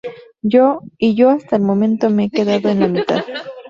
Y yo hasta el momento me he quedado en la mitad.